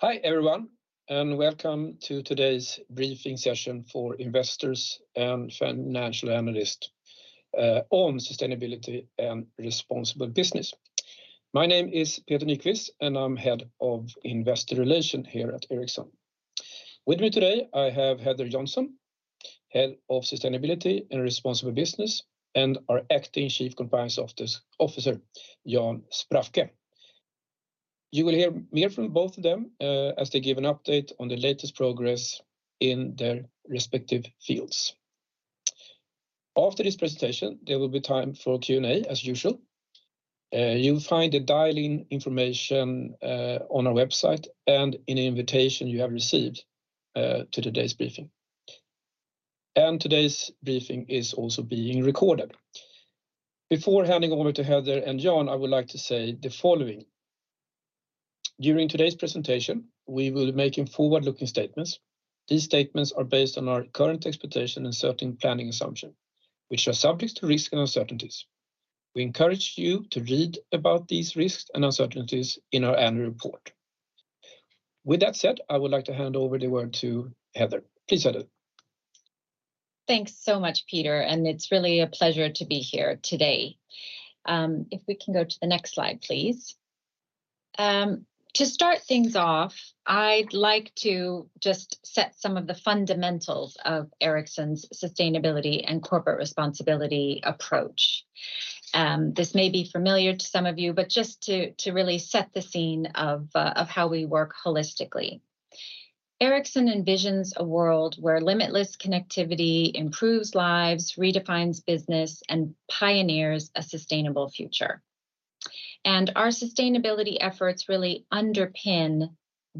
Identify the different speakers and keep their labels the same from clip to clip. Speaker 1: Hi, everyone, and welcome to today's briefing session for investors and financial analysts on sustainability and responsible business. My name is Peter Nyquist, and I'm Head of Investor Relations here at Ericsson. With me today, I have Heather Johnson, Head of Sustainability and Responsible Business, and our acting Chief Compliance Officer, Jan Sprafke. You will hear more from both of them as they give an update on the latest progress in their respective fields. After this presentation, there will be time for Q&A, as usual. You'll find the dial-in information on our website and in the invitation you have received to today's briefing. And today's briefing is also being recorded. Before handing over to Heather and Jan, I would like to say the following: During today's presentation, we will be making forward-looking statements. These statements are based on our current expectations and certain planning assumptions, which are subject to risks and uncertainties. We encourage you to read about these risks and uncertainties in our annual report. With that said, I would like to hand over the word to Heather. Please, Heather.
Speaker 2: Thanks so much, Peter, and it's really a pleasure to be here today. If we can go to the next slide, please. To start things off, I'd like to just set some of the fundamentals of Ericsson's sustainability and corporate responsibility approach. This may be familiar to some of you, but just to really set the scene of how we work holistically. Ericsson envisions a world where limitless connectivity improves lives, redefines business, and pioneers a sustainable future. Our sustainability efforts really underpin,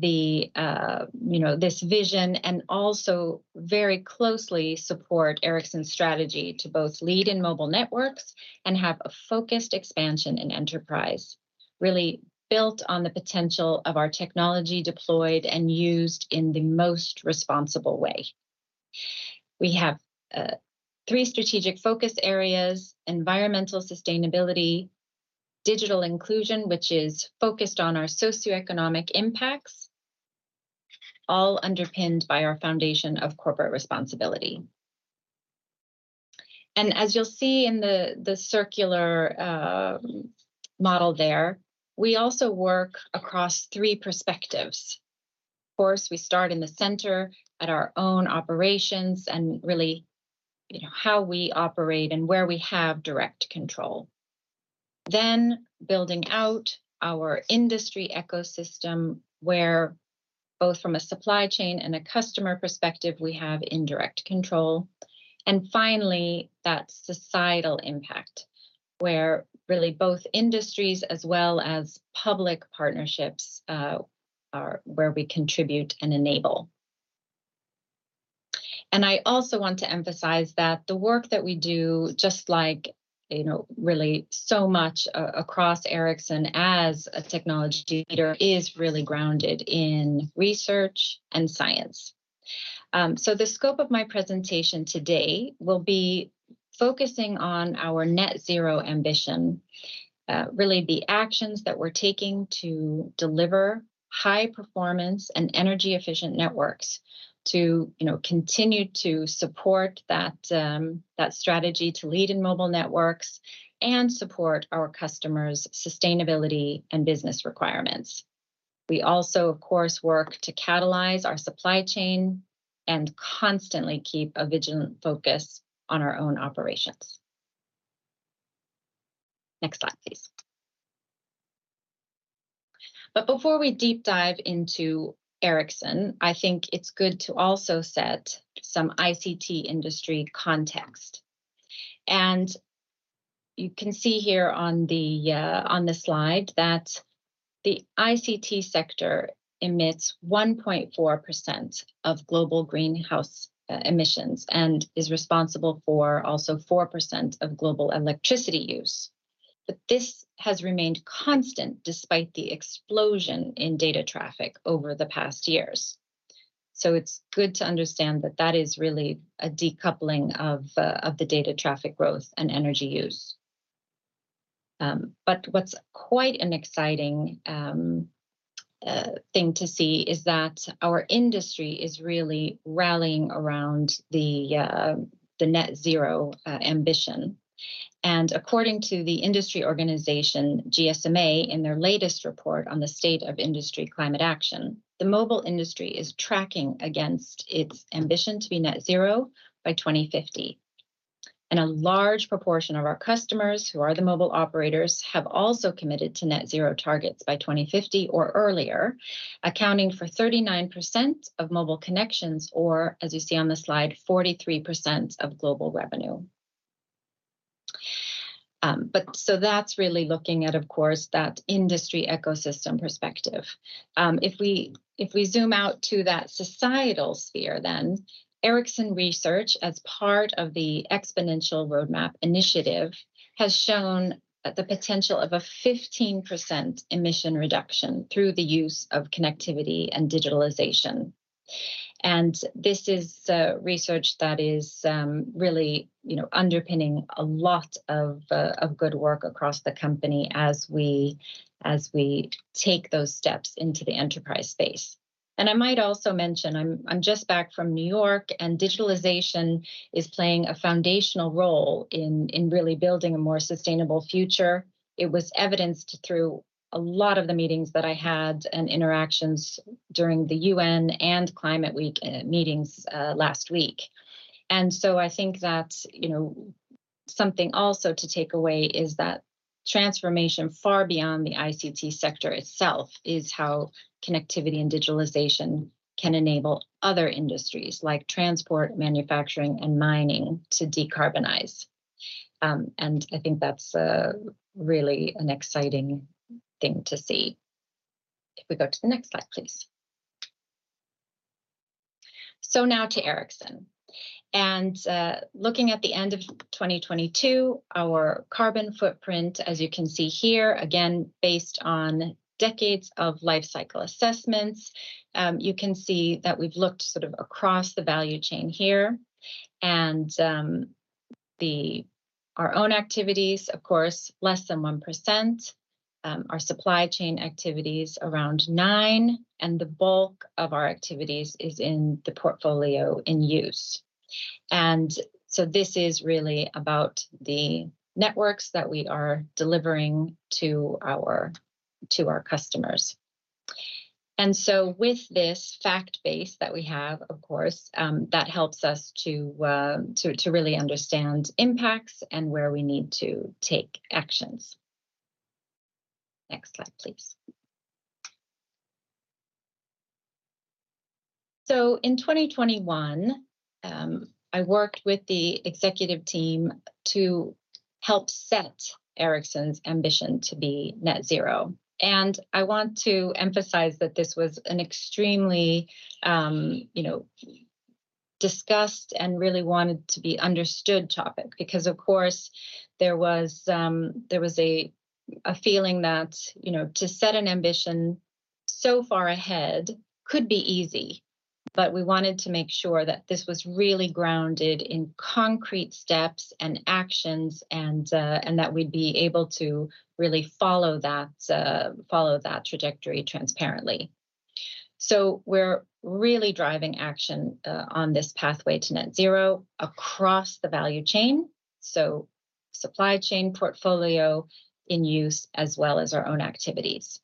Speaker 2: you know, this vision and also very closely support Ericsson's strategy to both lead in mobile networks and have a focused expansion in enterprise, really built on the potential of our technology deployed and used in the most responsible way. We have three strategic focus areas: environmental sustainability, digital inclusion, which is focused on our socioeconomic impacts, all underpinned by our foundation of corporate responsibility. As you'll see in the, the circular model there, we also work across three perspectives. Of course, we start in the center at our own operations and really, you know, how we operate and where we have direct control. Then building out our industry ecosystem, where both from a supply chain and a customer perspective, we have indirect control. Finally, that societal impact, where really both industries as well as public partnerships are where we contribute and enable. I also want to emphasize that the work that we do, just like, you know, really so much across Ericsson as a technology leader, is really grounded in research and science. So the scope of my presentation today will be focusing on our net zero ambition, really the actions that we're taking to deliver high performance and energy-efficient networks to, you know, continue to support that strategy to lead in mobile networks and support our customers' sustainability and business requirements. We also, of course, work to catalyze our supply chain and constantly keep a vigilant focus on our own operations. Next slide, please. But before we deep dive into Ericsson, I think it's good to also set some ICT industry context. You can see here on the slide that the ICT sector emits 1.4% of global greenhouse emissions and is responsible for also 4% of global electricity use. But this has remained constant despite the explosion in data traffic over the past years. So it's good to understand that that is really a decoupling of, of the data traffic growth and energy use. But what's quite an exciting thing to see is that our industry is really rallying around the net zero ambition. And according to the industry organization, GSMA, in their latest report on the state of industry climate action, the mobile industry is tracking against its ambition to be net zero by 2050. And a large proportion of our customers, who are the mobile operators, have also committed to net zero targets by 2050 or earlier, accounting for 39% of mobile connections, or as you see on the slide, 43% of global revenue. But so that's really looking at, of course, that industry ecosystem perspective. If we zoom out to that societal sphere, then Ericsson Research, as part of the Exponential Roadmap Initiative, has shown the potential of a 15% emission reduction through the use of connectivity and digitalization. And this is research that is really, you know, underpinning a lot of good work across the company as we take those steps into the enterprise space. And I might also mention, I'm just back from New York, and digitalization is playing a foundational role in really building a more sustainable future. It was evidenced through a lot of the meetings that I had and interactions during the UN and Climate Week meetings last week. I think that, you know, something also to take away is that transformation far beyond the ICT sector itself, is how connectivity and digitalization can enable other industries like transport, manufacturing, and mining to decarbonize. I think that's really an exciting thing to see. If we go to the next slide, please. So now to Ericsson. Looking at the end of 2022, our carbon footprint, as you can see here, again, based on decades of life cycle assessments, you can see that we've looked sort of across the value chain here, and our own activities, of course, less than 1%, our supply chain activities around 9%, and the bulk of our activities is in the portfolio in use. This is really about the networks that we are delivering to our, to our customers. And so with this fact base that we have, of course, that helps us to really understand impacts and where we need to take actions. Next slide, please. So in 2021, I worked with the executive team to help set Ericsson's ambition to be net zero, and I want to emphasize that this was an extremely, you know, discussed and really wanted to be understood topic. Because, of course, there was a feeling that, you know, to set an ambition so far ahead could be easy, but we wanted to make sure that this was really grounded in concrete steps and actions and that we'd be able to really follow that trajectory transparently. So we're really driving action on this pathway to net zero across the value chain, so supply chain portfolio in use, as well as our own activities.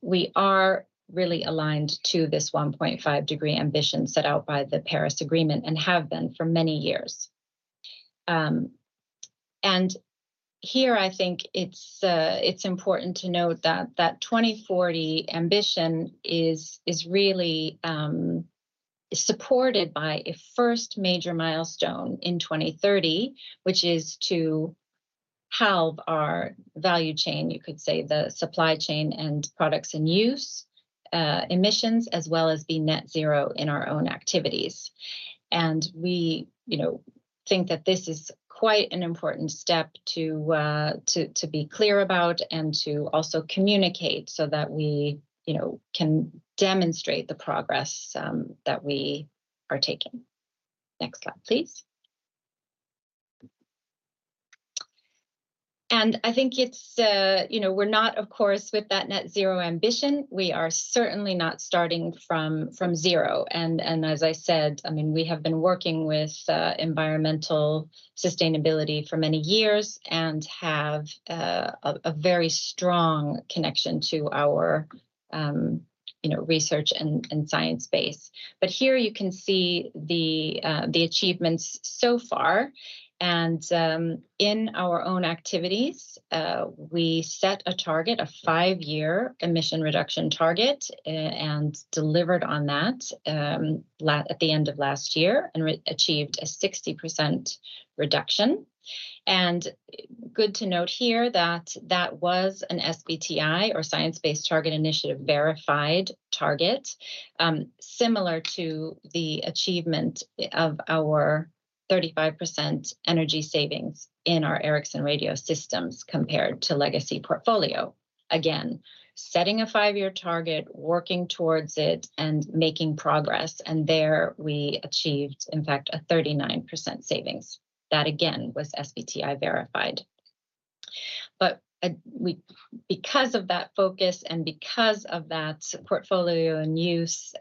Speaker 2: We are really aligned to this 1.5 degree ambition set out by the Paris Agreement and have been for many years. And here I think it's important to note that that 2040 ambition is really supported by a first major milestone in 2030, which is to halve our value chain, you could say, the supply chain and products in use emissions, as well as the net zero in our own activities. We, you know, think that this is quite an important step to be clear about, and to also communicate so that we, you know, can demonstrate the progress that we are taking. Next slide, please. And I think it's, you know, we're not, of course, with that net zero ambition, we are certainly not starting from zero. And as I said, I mean, we have been working with environmental sustainability for many years and have a very strong connection to our, you know, research and science base. But here you can see the achievements so far. And in our own activities, we set a target, a five-year emission reduction target, and delivered on that, at the end of last year and achieved a 60% reduction. And good to note here that that was an SBTi or Science Based Targets initiative verified target, similar to the achievement of our 35% energy savings in our Ericsson Radio Systems compared to legacy portfolio. Again, setting a five-year target, working towards it, and making progress, and there we achieved, in fact, a 39% savings. That again, was SBTi verified. But, because of that focus and because of that portfolio and use,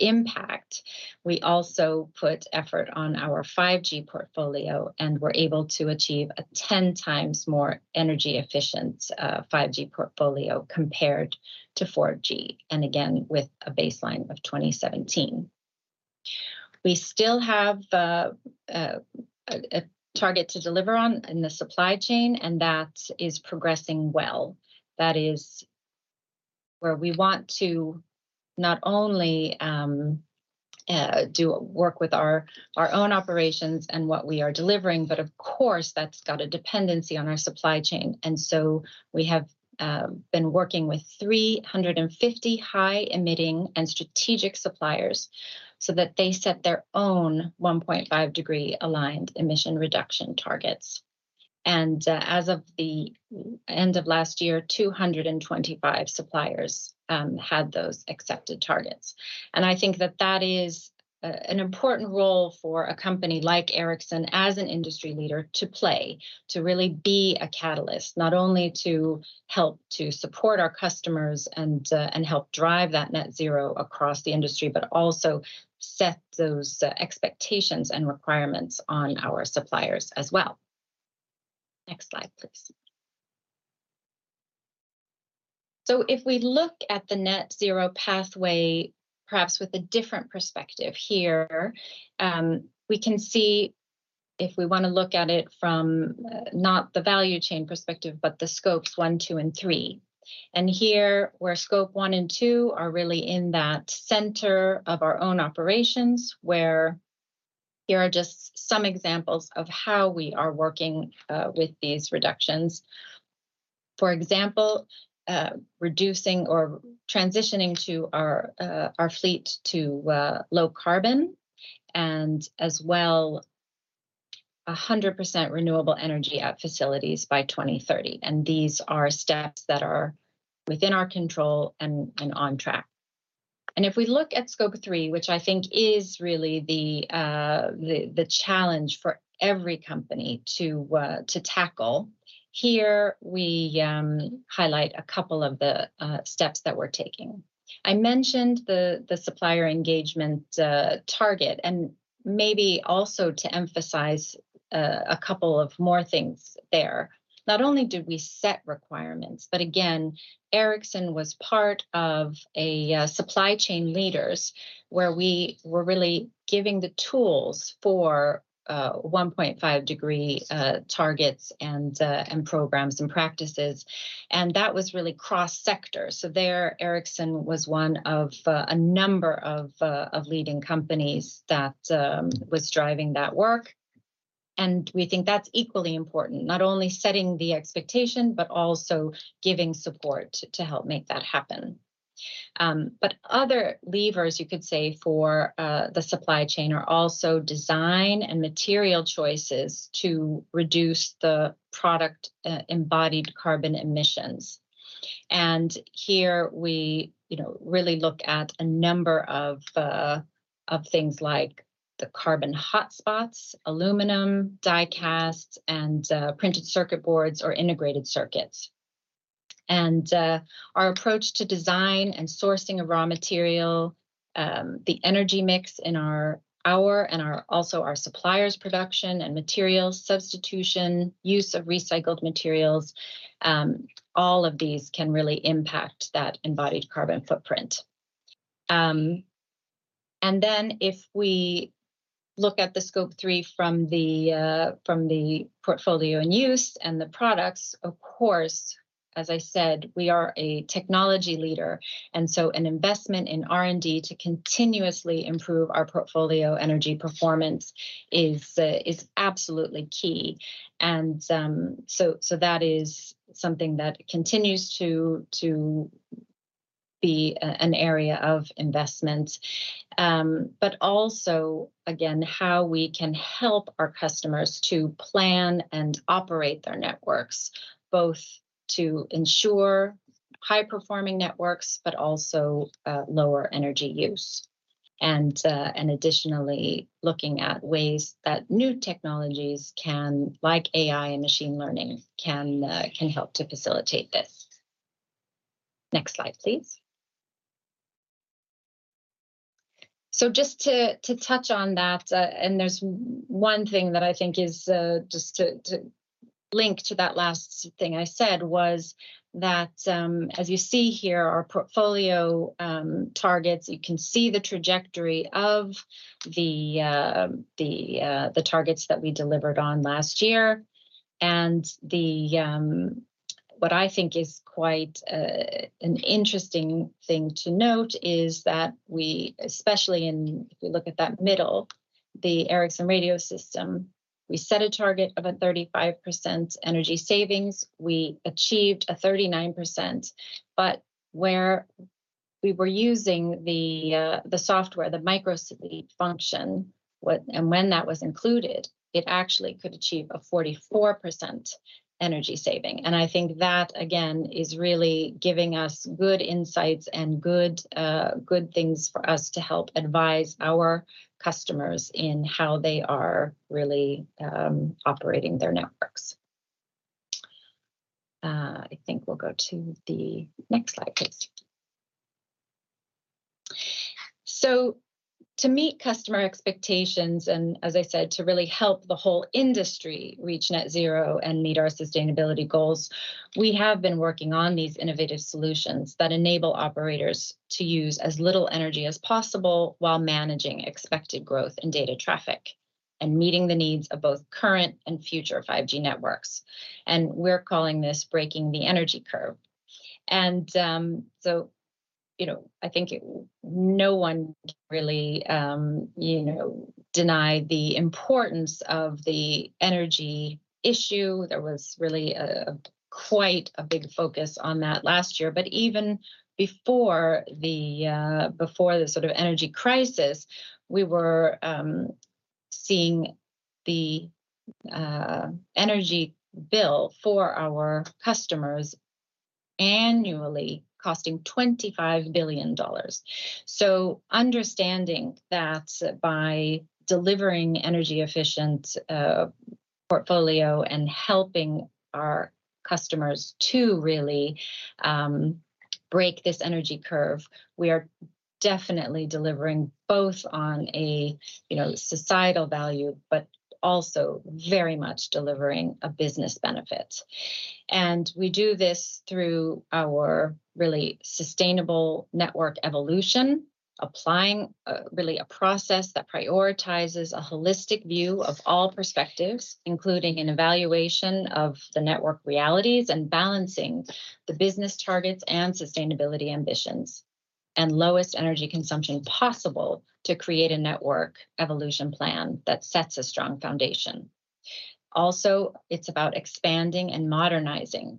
Speaker 2: impact, we also put effort on our 5G portfolio, and we're able to achieve a ten times more energy efficient 5G portfolio compared to 4G, and again, with a baseline of 2017. We still have a target to deliver on in the supply chain, and that is progressing well. That is where we want to not only do work with our own operations and what we are delivering, but of course, that's got a dependency on our supply chain. And so we have been working with 350 high emitting and strategic suppliers so that they set their own 1.5-degree aligned emission reduction targets. And, as of the end of last year, 225 suppliers had those accepted targets. And I think that that is an important role for a company like Ericsson as an industry leader to play, to really be a catalyst. Not only to help to support our customers and, and help drive that net zero across the industry, but also set those expectations and requirements on our suppliers as well. Next slide, please. So if we look at the net zero pathway, perhaps with a different perspective here, we can see, if we want to look at it from, not the value chain perspective, but the Scope 1, 2, and 3. And here, where Scope 1 and 2 are really in that center of our own operations, where here are just some examples of how we are working with these reductions. For example, reducing or transitioning to our, our fleet to, low carbon, and as well, 100% renewable energy at facilities by 2030. And these are steps that are within our control and, and on track. And if we look at Scope 3, which I think is really the, the, the challenge for every company to, to tackle, here we, highlight a couple of the, steps that we're taking. I mentioned the supplier engagement target, and maybe also to emphasize a couple of more things there. Not only did we set requirements, but again, Ericsson was part of a Supply Chain Leaders, where we were really giving the tools for 1.5 degree targets and programs and practices, and that was really cross-sector. So there, Ericsson was one of a number of leading companies that was driving that work, and we think that's equally important. Not only setting the expectation, but also giving support to help make that happen. But other levers you could say for the supply chain are also design and material choices to reduce the product embodied carbon emissions. Here we, you know, really look at a number of things like the carbon hotspots, aluminum, die casts, and printed circuit boards or integrated circuits. Our approach to design and sourcing of raw material, the energy mix in our and also our suppliers' production, and materials substitution, use of recycled materials, all of these can really impact that embodied carbon footprint. If we look at the scope three from the portfolio and use, and the products, of course, as I said, we are a technology leader, and so an investment in R&D to continuously improve our portfolio energy performance is absolutely key. That is something that continues to be an area of investment. But also, again, how we can help our customers to plan and operate their networks, both to ensure high-performing networks, but also, lower energy use. And, and additionally, looking at ways that new technologies can like AI and machine learning, can, can help to facilitate this. Next slide, please. So just to, to touch on that, and there's one thing that I think is, just to, to link to that last thing I said, was that, as you see here, our portfolio, targets, you can see the trajectory of the, the, the targets that we delivered on last year. And the, what I think is quite, an interesting thing to note is that we, especially in, if you look at that middle, the Ericsson Radio System, we set a target of a 35% energy savings. We achieved a 39%, but where we were using the software, the micro sleep function, and when that was included, it actually could achieve a 44% energy saving. I think that, again, is really giving us good insights and good things for us to help advise our customers in how they are really operating their networks. I think we'll go to the next slide, please. To meet customer expectations, and as I said, to really help the whole industry reach net zero and meet our sustainability goals, we have been working on these innovative solutions that enable operators to use as little energy as possible while managing expected growth and data traffic, and meeting the needs of both current and future 5G networks. We're calling this Breaking the Energy Curve. So you know, I think no one can really, you know, deny the importance of the energy issue. There was really quite a big focus on that last year, but even before the sort of energy crisis, we were seeing the energy bill for our customers annually costing $25 billion. So understanding that by delivering energy efficient portfolio and helping our customers to really break this energy curve, we are definitely delivering both on a, you know, societal value, but also very much delivering a business benefit. We do this through our really sustainable network evolution, applying really a process that prioritizes a holistic view of all perspectives, including an evaluation of the network realities and balancing the business targets and sustainability ambitions, and lowest energy consumption possible to create a network evolution plan that sets a strong foundation. Also, it's about expanding and modernizing.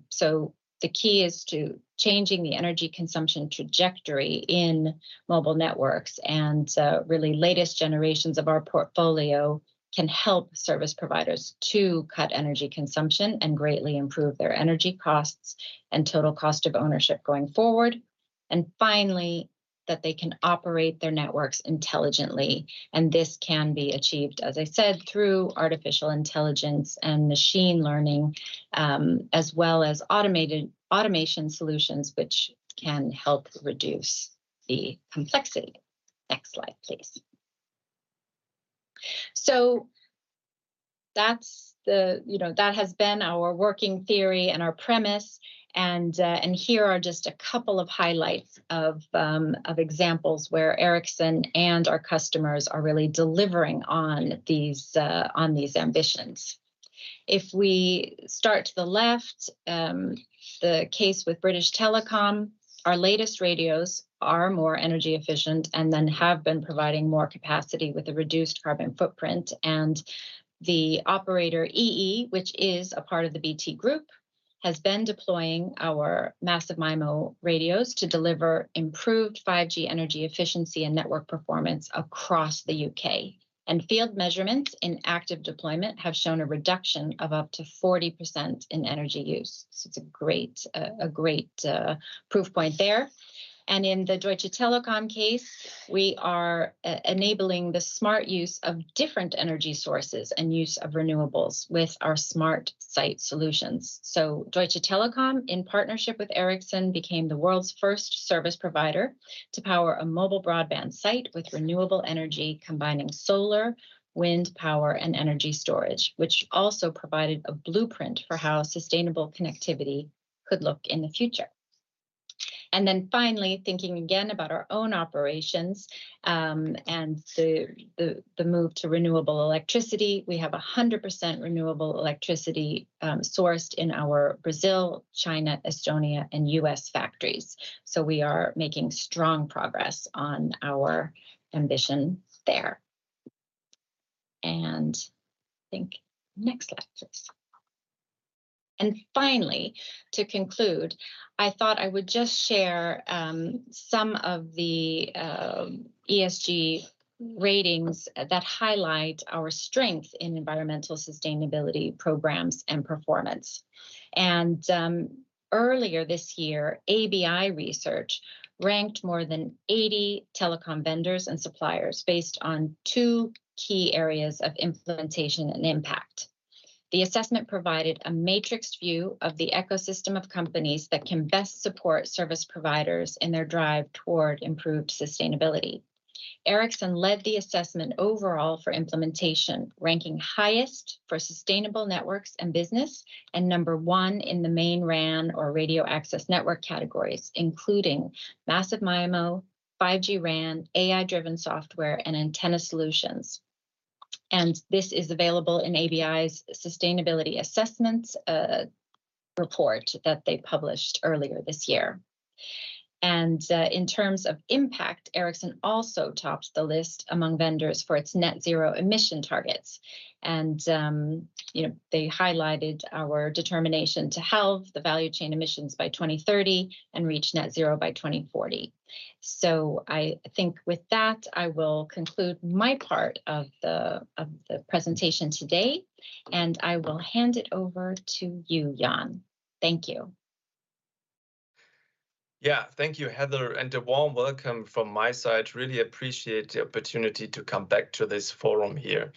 Speaker 2: The key is to changing the energy consumption trajectory in mobile networks, and really latest generations of our portfolio can help service providers to cut energy consumption and greatly improve their energy costs and total cost of ownership going forward. And finally, that they can operate their networks intelligently, and this can be achieved, as I said, through artificial intelligence and machine learning, as well as automation solutions, which can help reduce the complexity. Next slide, please. So that's the, you know, that has been our working theory and our premise, and, and here are just a couple of highlights of, of examples where Ericsson and our customers are really delivering on these, on these ambitions. If we start to the left, the case with British Telecom, our latest radios are more energy efficient and then have been providing more capacity with a reduced carbon footprint. And the operator, EE, which is a part of the BT Group, has been deploying our massive MIMO radios to deliver improved 5G energy efficiency and network performance across the U.K. And field measurements in active deployment have shown a reduction of up to 40% in energy use. So it's a great, a great, proof point there. In the Deutsche Telekom case, we are enabling the smart use of different energy sources and use of renewables with our smart site solutions. So Deutsche Telekom, in partnership with Ericsson, became the world's first service provider to power a mobile broadband site with renewable energy, combining solar, wind power, and energy storage, which also provided a blueprint for how sustainable connectivity could look in the future. Then finally, thinking again about our own operations, and the move to renewable electricity, we have 100% renewable electricity sourced in our Brazil, China, Estonia, and U.S. factories. So we are making strong progress on our ambition there. I think next slide, please. Finally, to conclude, I thought I would just share some of the ESG ratings that highlight our strength in environmental sustainability programs and performance. Earlier this year, ABI Research ranked more than 80 telecom vendors and suppliers based on two key areas of implementation and impact. The assessment provided a matrix view of the ecosystem of companies that can best support service providers in their drive toward improved sustainability. Ericsson led the assessment overall for implementation, ranking highest for sustainable networks and business, and number one in the main RAN or radio access network categories, including massive MIMO, 5G RAN, AI-driven software, and antenna solutions. This is available in ABI's Sustainability Assessments report that they published earlier this year. In terms of impact, Ericsson also tops the list among vendors for its net zero emission targets. You know, they highlighted our determination to halve the value chain emissions by 2030 and reach net zero by 2040. So I think with that, I will conclude my part of the presentation today, and I will hand it over to you, Jan. Thank you.
Speaker 3: Yeah. Thank you, Heather, and a warm welcome from my side. Really appreciate the opportunity to come back to this forum here.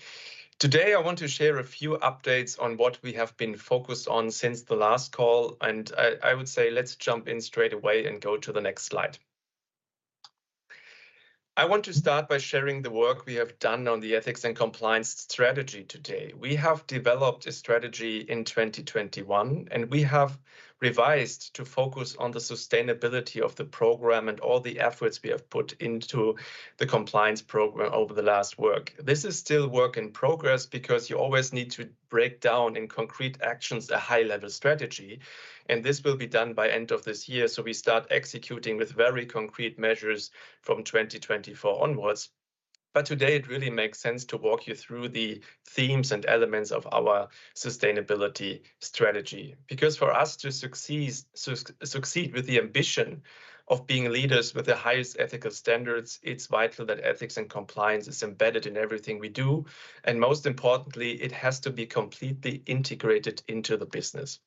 Speaker 3: Today, I want to share a few updates on what we have been focused on since the last call, and I, I would say let's jump in straight away and go to the next slide. I want to start by sharing the work we have done on the ethics and compliance strategy today. We have developed a strategy in 2021, and we have revised to focus on the sustainability of the program and all the efforts we have put into the compliance program over the last work. This is still work in progress because you always need to break down in concrete actions, a high-level strategy, and this will be done by end of this year, so we start executing with very concrete measures from 2024 onwards. But today, it really makes sense to walk you through the themes and elements of our sustainability strategy. Because for us to succeed, succeed with the ambition of being leaders with the highest ethical standards, it's vital that ethics and compliance is embedded in everything we do, and most importantly, it has to be completely integrated into the business.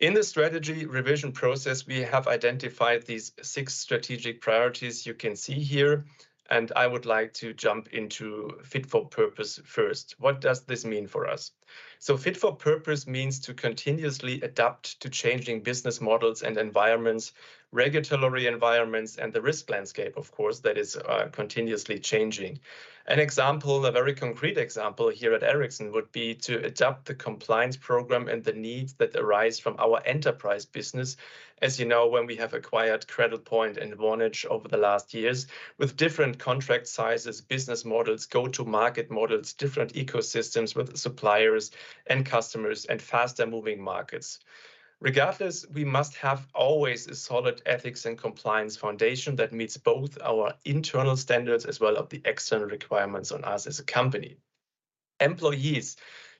Speaker 3: In the strategy revision process, we have identified these six strategic priorities you can see here, and I would like to jump into fit for purpose first. What does this mean for us? So fit for purpose means to continuously adapt to changing business models and environments, regulatory environments, and the risk landscape, of course, that is, continuously changing. An example, a very concrete example here at Ericsson, would be to adapt the compliance program and the needs that arise from our enterprise business. As you know, when we have acquired Cradlepoint and Vonage over the last years, with different contract sizes, business models, go-to-market models, different ecosystems with suppliers and customers, and faster-moving markets. Regardless, we must have always a solid ethics and compliance foundation that meets both our internal standards, as well as the external requirements on us as a company. Employees,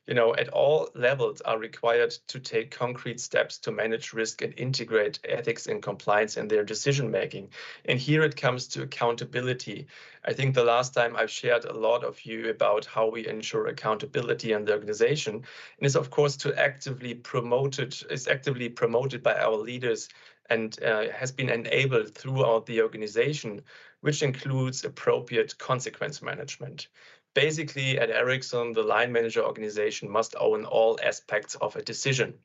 Speaker 3: you know, at all levels, are required to take concrete steps to manage risk and integrate ethics and compliance in their decision making, and here it comes to accountability. I think the last time I've shared a lot with you about how we ensure accountability in the organization, and it's, of course, to actively promoted—it's actively promoted by our leaders and has been enabled throughout the organization, which includes appropriate consequence management. Basically, at Ericsson, the line manager organization must own all aspects of a decision.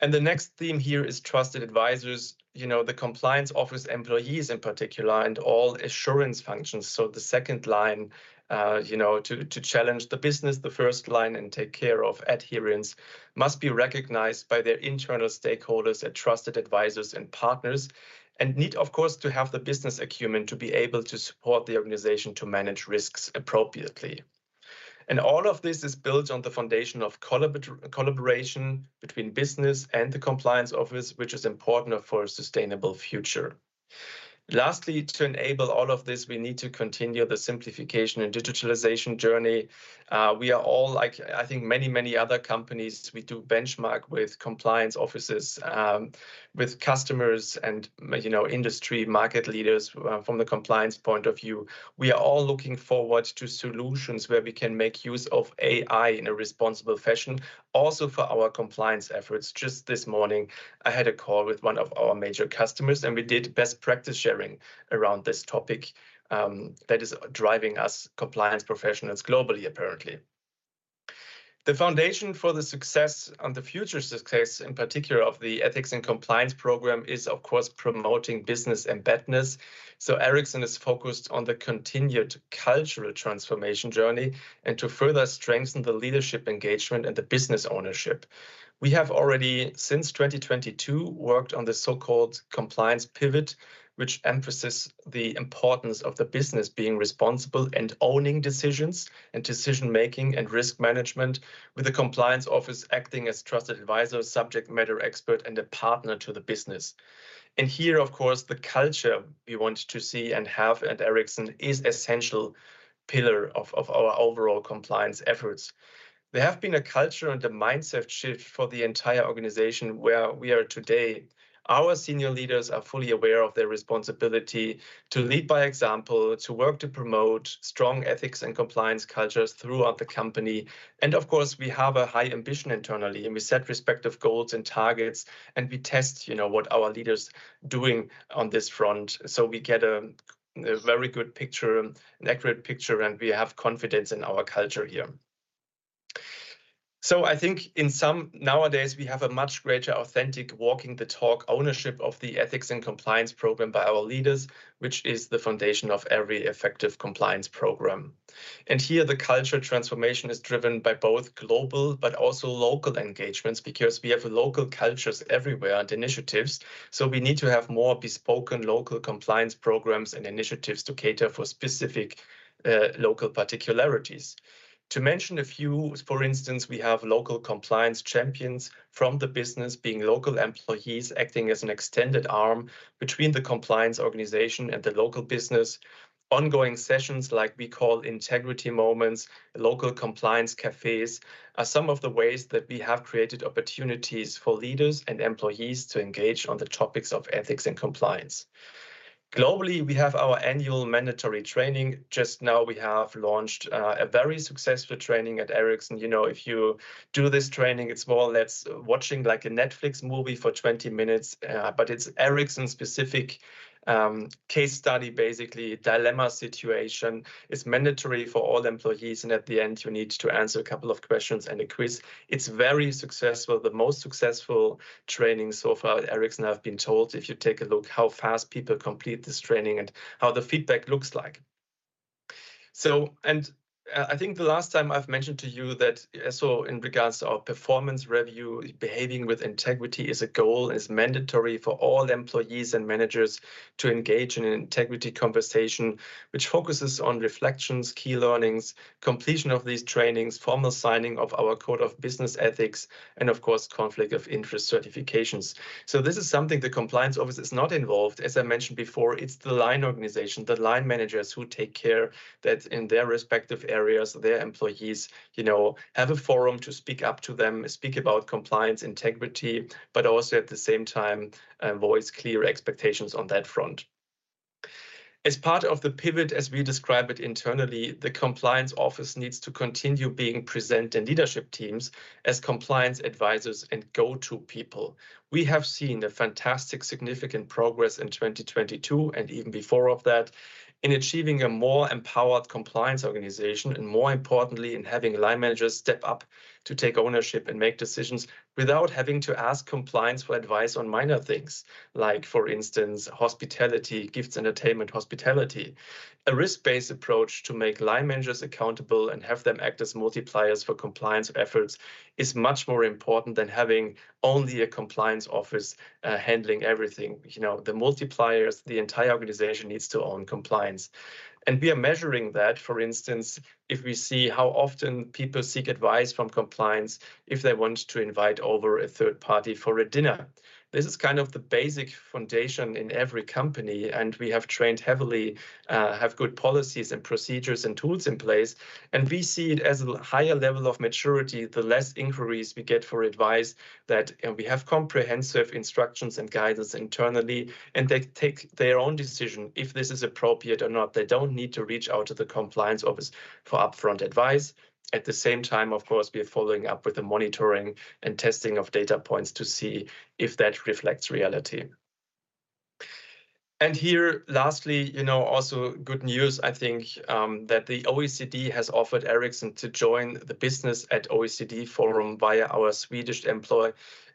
Speaker 3: The next theme here is trusted advisors. You know, the compliance office employees in particular, and all assurance functions, so the second line, you know, to challenge the business, the first line, and take care of adherence, must be recognized by their internal stakeholders and trusted advisors and partners, and need, of course, to have the business acumen to be able to support the organization to manage risks appropriately. All of this is built on the foundation of collaboration between business and the compliance office, which is important for a sustainable future. Lastly, to enable all of this, we need to continue the simplification and digitalization journey. We are all like, I think, many, many other companies, we do benchmark with compliance offices, with customers, and, you know, industry market leaders from the compliance point of view. We are all looking forward to solutions where we can make use of AI in a responsible fashion, also for our compliance efforts. Just this morning, I had a call with one of our major customers, and we did best practice sharing around this topic, that is driving us compliance professionals globally, apparently. The foundation for the success and the future success, in particular of the ethics and compliance program, is, of course, promoting business embeddedness. So Ericsson is focused on the continued cultural transformation journey and to further strengthen the leadership engagement and the business ownership. We have already, since 2022, worked on the so-called compliance pivot, which emphasis the importance of the business being responsible and owning decisions and decision making and risk management, with the compliance office acting as trusted advisor, subject matter expert, and a partner to the business. And here, of course, the culture we want to see and have at Ericsson is essential pillar of our overall compliance efforts. There have been a culture and a mindset shift for the entire organization where we are today. Our senior leaders are fully aware of their responsibility to lead by example, to work to promote strong ethics and compliance cultures throughout the company, and of course, we have a high ambition internally, and we set respective goals and targets, and we test, you know, what our leaders doing on this front, so we get a very good picture, an accurate picture, and we have confidence in our culture here. So I think in some... nowadays, we have a much greater authentic walking the talk ownership of the ethics and compliance program by our leaders, which is the foundation of every effective compliance program. And here, the culture transformation is driven by both global but also local engagements, because we have local cultures everywhere and initiatives, so we need to have more bespoke and local compliance programs and initiatives to cater for specific, local particularities. To mention a few, for instance, we have local compliance champions from the business, being local employees, acting as an extended arm between the compliance organization and the local business. Ongoing sessions, like we call Integrity Moments, local Compliance Cafes, are some of the ways that we have created opportunities for leaders and employees to engage on the topics of ethics and compliance. Globally, we have our annual mandatory training. Just now, we have launched a very successful training at Ericsson. You know, if you do this training, it's more or less watching like a Netflix movie for 20 minutes, but it's Ericsson-specific, case study, basically, dilemma situation. It's mandatory for all employees, and at the end, you need to answer a couple of questions and a quiz. It's very successful, the most successful training so far at Ericsson, I've been told, if you take a look how fast people complete this training and how the feedback looks like. So, and, I think the last time I've mentioned to you that, so in regards to our performance review, behaving with integrity is a goal, and it's mandatory for all employees and managers to engage in an integrity conversation, which focuses on reflections, key learnings, completion of these trainings, formal signing of our Code of Business Ethics, and of course, conflict of interest certifications. So this is something the compliance office is not involved. As I mentioned before, it's the line organization, the line managers, who take care that in their respective areas, their employees, you know, have a forum to speak up to them, speak about compliance, integrity, but also at the same time, voice clear expectations on that front. As part of the pivot, as we describe it internally, the compliance office needs to continue being present in leadership teams as compliance advisors and go-to people. We have seen a fantastic, significant progress in 2022, and even before that, in achieving a more empowered compliance organization, and more importantly, in having line managers step up to take ownership and make decisions without having to ask compliance for advice on minor things. Like, for instance, hospitality, gifts, entertainment, hospitality. A risk-based approach to make line managers accountable and have them act as multipliers for compliance efforts is much more important than having only a compliance office, handling everything. You know, the multipliers, the entire organization needs to own compliance. And we are measuring that, for instance, if we see how often people seek advice from compliance, if they want to invite over a third party for a dinner. This is kind of the basic foundation in every company, and we have trained heavily, have good policies and procedures and tools in place, and we see it as a higher level of maturity, the less inquiries we get for advice that, and we have comprehensive instructions and guidance internally, and they take their own decision if this is appropriate or not. They don't need to reach out to the compliance office for upfront advice. At the same time, of course, we are following up with the monitoring and testing of data points to see if that reflects reality. And here, lastly, you know, also good news, I think, that the OECD has offered Ericsson to join the Business at OECD Forum via our Swedish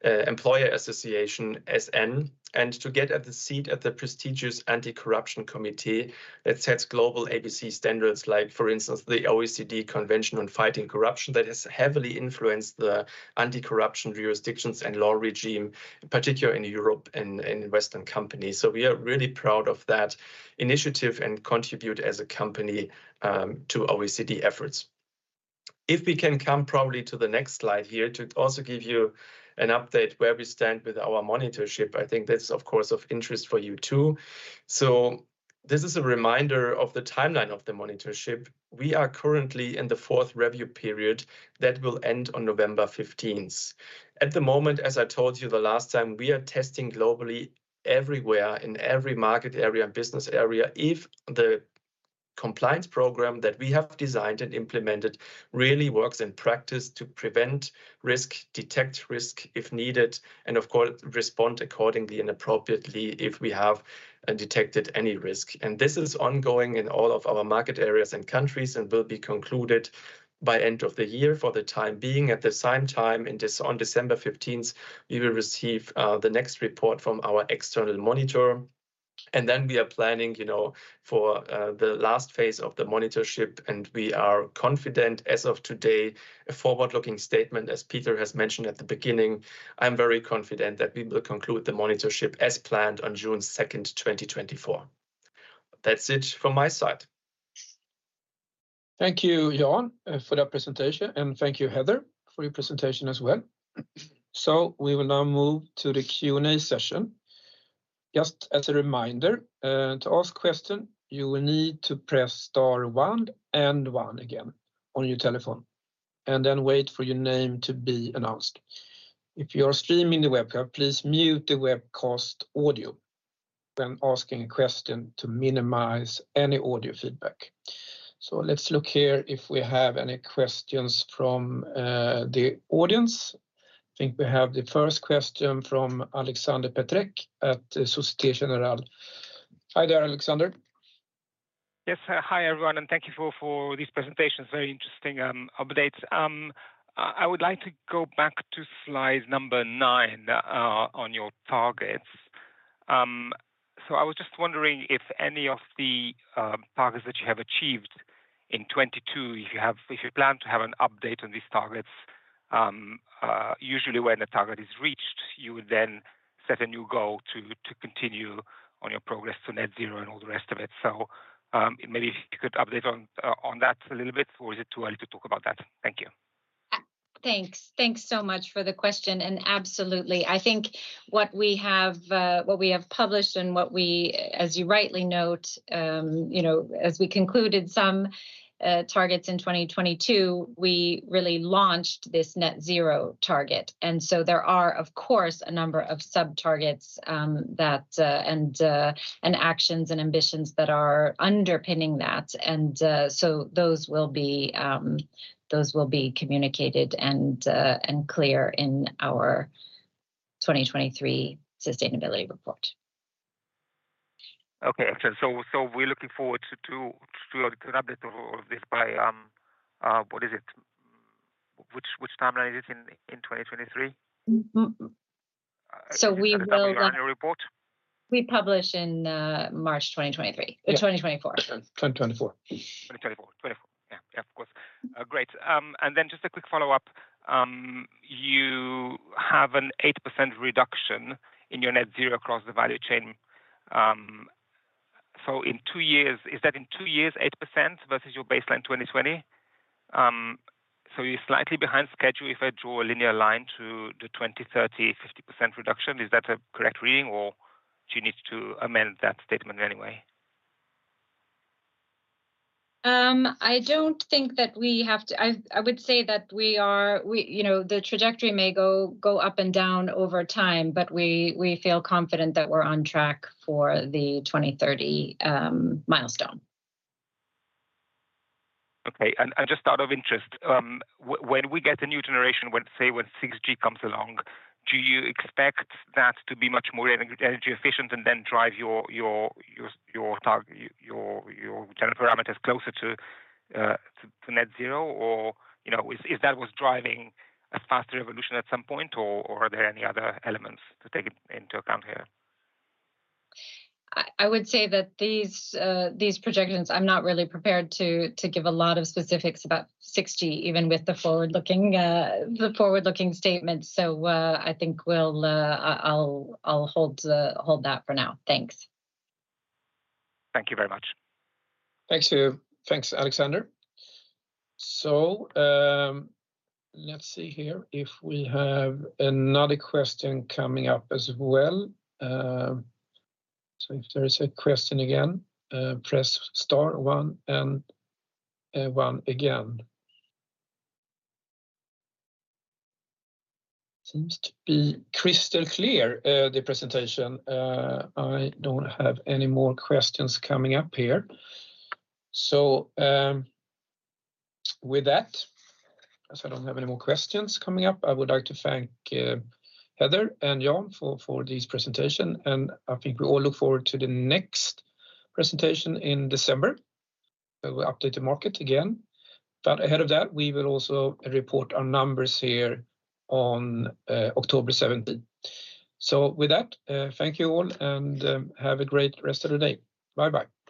Speaker 3: employer association, SN, and to get a seat at the prestigious Anti-Corruption Committee that sets global ABC standards, like, for instance, the OECD Convention on Fighting Corruption that has heavily influenced the anti-corruption jurisdictions and law regime, particularly in Europe and in Western companies. So we are really proud of that initiative and contribute as a company to OECD efforts. If we can come probably to the next slide here to also give you an update where we stand with our monitorship. I think that's, of course, of interest for you, too. This is a reminder of the timeline of the monitorship. We are currently in the fourth review period that will end on November fifteenth. At the moment, as I told you the last time, we are testing globally, everywhere, in every market area and business area, if the compliance program that we have designed and implemented really works in practice to prevent risk, detect risk if needed, and of course, respond accordingly and appropriately if we have detected any risk. This is ongoing in all of our market areas and countries and will be concluded by end of the year for the time being. At the same time, on December 15th, we will receive the next report from our external monitor, and then we are planning, you know, for the last phase of the monitorship, and we are confident as of today, a forward-looking statement, as Peter has mentioned at the beginning. I'm very confident that we will conclude the monitorship as planned on June 2, 2024. That's it from my side.
Speaker 1: Thank you, Jan, for that presentation, and thank you, Heather, for your presentation as well. So we will now move to the Q&A session. Just as a reminder, to ask question, you will need to press star one and one again on your telephone, and then wait for your name to be announced. If you are streaming the webcast, please mute the webcast audio when asking a question to minimize any audio feedback. So let's look here if we have any questions from the audience. I think we have the first question from Alexander Peterc at Société Générale. Hi there, Alexander.
Speaker 4: Yes. Hi, everyone, and thank you for these presentations. Very interesting updates. I would like to go back to slide number 9 on your targets. So I was just wondering if any of the targets that you have achieved in 2022, if you have if you plan to have an update on these targets. Usually when a target is reached, you would then set a new goal to continue on your progress to net zero and all the rest of it. So, maybe if you could update on that a little bit, or is it too early to talk about that? Thank you.
Speaker 2: Thanks. Thanks so much for the question, and absolutely. I think what we have published and what we, as you rightly note, you know, as we concluded some targets in 2022, we really launched this net zero target. And so there are, of course, a number of sub targets and actions and ambitions that are underpinning that. And so those will be communicated and clear in our 2023 sustainability report.
Speaker 4: Okay, excellent. So, we're looking forward to an update of all of this by, what is it? Which timeline is it in 2023?
Speaker 2: Mm-mm. So we will not-
Speaker 4: In your annual report.
Speaker 2: We publish in March 2023.
Speaker 1: Yeah.
Speaker 2: 2024.
Speaker 1: 2024.
Speaker 4: 2024. 2024. Yeah. Yeah, of course. Great. And then just a quick follow-up. You have an 8% reduction in your net zero across the value chain. So in 2 years, is that in 2 years, 8% versus your baseline 2020? So you're slightly behind schedule if I draw a linear line to the 2030, 50% reduction, is that a correct reading, or do you need to amend that statement anyway?
Speaker 2: I would say that we are, you know, the trajectory may go up and down over time, but we feel confident that we're on track for the 2030 milestone.
Speaker 4: Okay. And just out of interest, when we get the new generation, say, when 6G comes along, do you expect that to be much more energy efficient and then drive your target, your general parameters closer to net zero? Or, you know, is that what's driving a faster evolution at some point, or are there any other elements to take into account here?
Speaker 2: I would say that these projections, I'm not really prepared to give a lot of specifics about 6G, even with the forward-looking statements. So, I think I'll hold that for now. Thanks.
Speaker 4: Thank you very much.
Speaker 1: Thanks to you. Thanks, Alexander. So, let's see here if we have another question coming up as well. So if there is a question again, press star one and, one again. Seems to be crystal clear, the presentation. I don't have any more questions coming up here. So, with that, as I don't have any more questions coming up, I would like to thank, Heather and Jan for, for this presentation. And I think we all look forward to the next presentation in December, where we'll update the market again. But ahead of that, we will also report our numbers here on, October 17th. So with that, thank you all, and, have a great rest of the day. Bye-bye. Bye-bye.